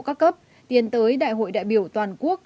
các cấp tiến tới đại hội đại biểu toàn quốc